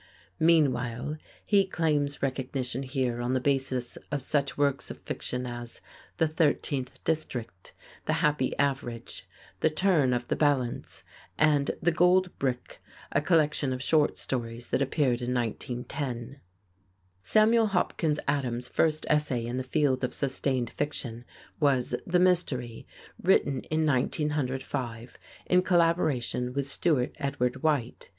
Meanwhile he claims recognition here on the basis of such works of fiction as "The Thirteenth District," "The Happy Average," "The Turn of the Balance," and "The Gold Brick," a collection of short stories that appeared in 1910. [Illustration: Campbell studios, N. Y. LOUIS JOSEPH VANCE] Samuel Hopkins Adams' first essay in the field of sustained fiction was "The Mystery," written in 1905, in collaboration with Stewart Edward White.